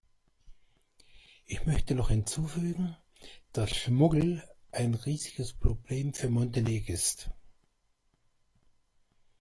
Ich möchte noch hinzufügen, dass Schmuggel ein riesiges Problem für Montenegist.